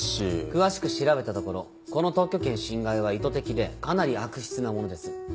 詳しく調べたところこの特許権侵害は意図的でかなり悪質なものです。